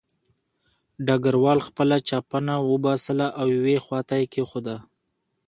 ډګروال خپله چپنه وباسله او یوې خوا ته یې کېښوده